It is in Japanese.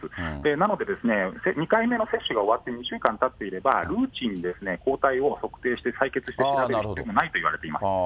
なので、２回目の接種が終わって２週間たっていれば、で抗体を測定して採血して調べる必要もないといわれています。